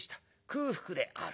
空腹である。